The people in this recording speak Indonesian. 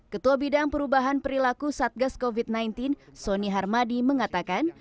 ketua bidang perubahan perilaku satgas covid sembilan belas sony harmadi mengatakan